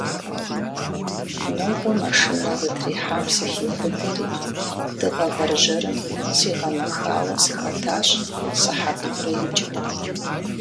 Нобэ машинэ зэтрихьам сыхиубыдэри, дыгъэ вэржьэрым сигъэмэхауэ сыхэтащ сыхьэт хъурейкӏэ.